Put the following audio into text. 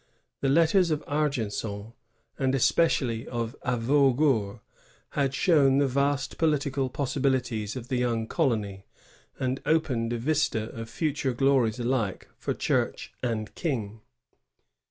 The letters of Aigenson, and especially of Avaugour, had shown the vast political possibilities of the young colony, and opened a vista of future glories alike for Church and for King.